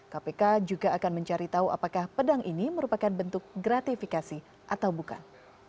kpk juga akan mencari tahu apakah pedang ini merupakan bentuk gratifikasi atau bukan